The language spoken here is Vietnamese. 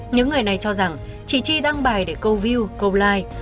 những người này cho rằng chị tri đăng bài để câu view câu like